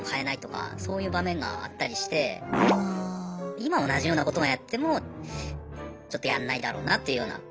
今同じようなことがあってもちょっとやんないだろうなっていうような。